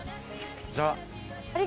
じゃあ！